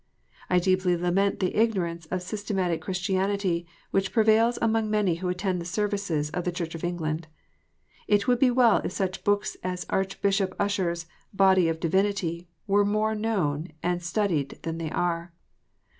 I deeply lament the ignorance of systematic Christianity which prevails among many who attend the services of the Church of England. It would be well if such books as Archbishop Usher s Body of Divinity were more known and studied than they are.